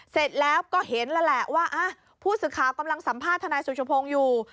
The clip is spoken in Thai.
เสร็จแล้วก็เห็นแล้วแหละว่าผู้สื่อข่าวกำลังสัมภาษณ์ทนายสุชพงศ์อยู่